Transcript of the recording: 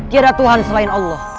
tiada tuhan selain allah